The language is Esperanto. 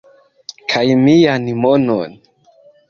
kaj mian monon